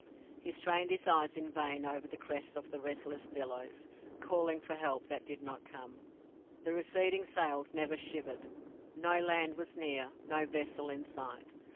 He strained his eyes in vain over the crests of the restless billows, calling for the help that did not come. The receding sails never shivered; no land was near, no vessel in sight.